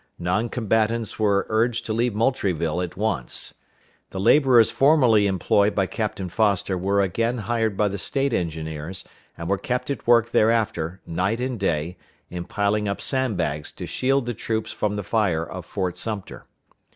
Non combatants were urged to leave Moultrieville at once. The laborers formerly employed by Captain Foster were again hired by the State engineers, and were kept at work thereafter, night and day, in piling up sand bags to shield the troops from the fire of Fort Sumter.